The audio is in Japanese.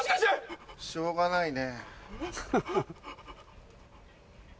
しょうがないね。